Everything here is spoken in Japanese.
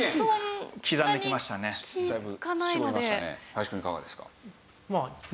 林くんいかがですか？